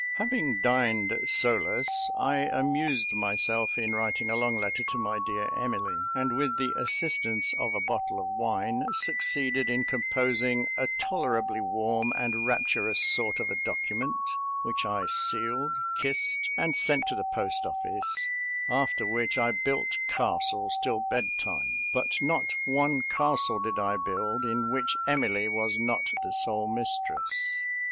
Having dined solus, I amused myself in writing a long letter to my dear Emily; and with the assistance of a bottle of wine, succeeded in composing a tolerably warm and rapturous sort of a document, which I sealed, kissed, and sent to the post office; after which, I built castles till bed time; but not one castle did I build, in which Emily was not the sole mistress.